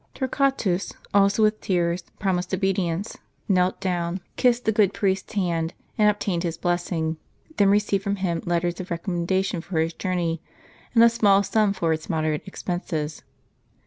Torquatus, also with tears, promised obedience, knelt down, kissed the good priest's hand, and obtained his blessing ; then received from him letters of recommendation for his journey, and a small sum for its moderate expenses.